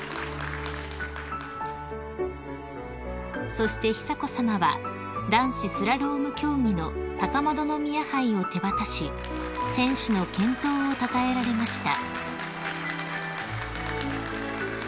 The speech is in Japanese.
［そして久子さまは男子スラローム競技の高円宮杯を手渡し選手の健闘をたたえられました］